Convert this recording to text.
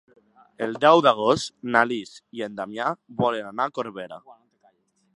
El deu d'agost na Lis i en Damià volen anar a Corbera.